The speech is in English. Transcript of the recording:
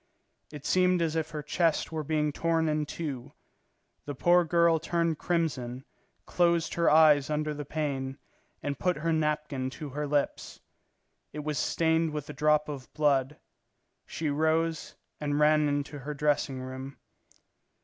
It seemed as if her chest were being torn in two. The poor girl turned crimson, closed her eyes under the pain, and put her napkin to her lips. It was stained with a drop of blood. She rose and ran into her dressing room.